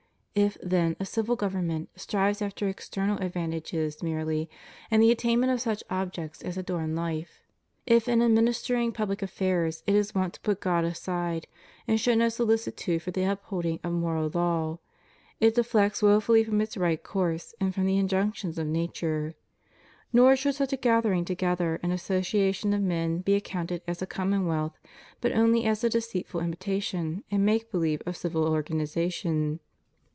If, then, a civil government strives after external advantages merely, and the attainment of such objects as adorn life; if in administering public affairs it is wont to put God aside, and show no solicitude for the upholding of moral law; it deflects wofully from its right course and from the in junctions of nature : nor should such a gathering together and association of men be accounted as a commonwealth, but only as a deceitful imitation and make believe of civil organization.